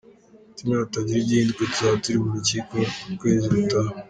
Ati “Nihatagira igihinduka tuzaba turi mu rukiko mu kwezi gutaha.